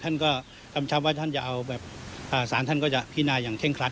ท่านก็กำชับว่าท่านจะเอาแบบสารท่านก็จะพินาอย่างเร่งครั